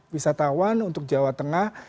wisatawan untuk jawa tengah